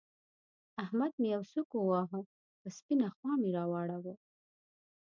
احمد مې يوه سوک وواهه؛ پر سپينه خوا مې را واړاوو.